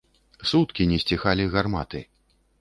Суткі не сціхалі гарматы.